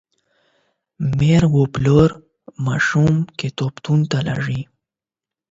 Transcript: مور او پلار ماشوم کتابتون ته لیږي.